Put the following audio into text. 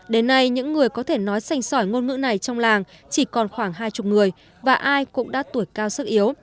đến nay những người có thể nói sành sỏi ngôn ngữ này trong làng chỉ còn khoảng hai mươi người và ai cũng đã tuổi cao sức yếu